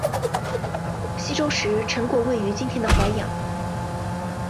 西周时陈国位于今天的淮阳。